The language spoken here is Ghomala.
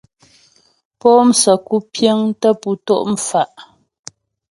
Po'o msə́ku piəŋ tə pú tɔ' mfa'.